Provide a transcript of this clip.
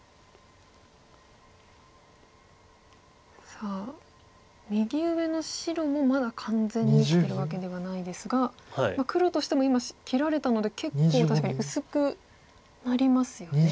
さあ右上の白もまだ完全に生きてるわけではないですが黒としても今切られたので結構確かに薄くなりますよね。